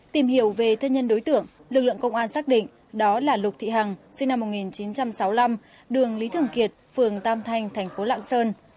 tìm hiểu về thân nhân đối tượng lực lượng công an xác định đó là lục thị hằng sinh năm một nghìn chín trăm sáu mươi năm đường lý thường kiệt phường tam thanh thành phố lạng sơn